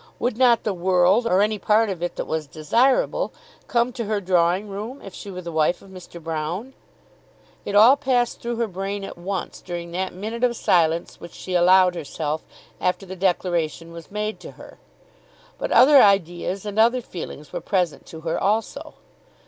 Would not the world, or any part of it that was desirable, come to her drawing room if she were the wife of Mr. Broune? It all passed through her brain at once during that minute of silence which she allowed herself after the declaration was made to her. But other ideas and other feelings were present to her also.